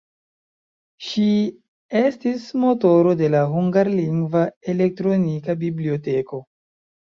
Ŝi estis motoro de la hungarlingva elektronika biblioteko.